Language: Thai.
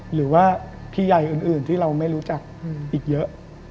หรือว่าพี่ใหญ่อื่นที่เราไม่รู้จักอีกเยอะ